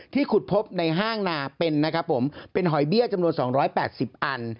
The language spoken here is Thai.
ขุดพบในห้างนาเป็นนะครับผมเป็นหอยเบี้ยจำนวน๒๘๐อัน